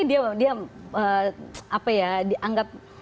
dia apa ya dianggap